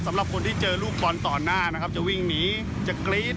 สำหรับคนที่เจอลูกบอลต่อหน้านะครับจะวิ่งหนีจะกรี๊ด